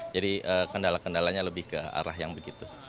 jadi kendala kendalanya lebih ke arah yang begitu